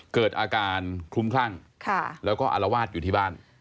เกิดอาการคลุ้มคลั่งแล้วก็อารวาสอยู่ที่บ้าน